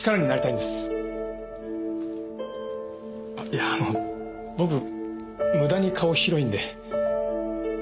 いやあの僕ムダに顔広いんで。